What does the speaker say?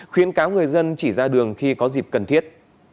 khuyến cáo người dân chỉ ra đường khi có dịp cần thiết